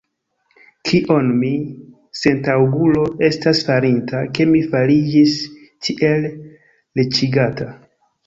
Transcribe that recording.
Kion mi, sentaŭgulo, estas farinta, ke mi fariĝis tiel riĉigata?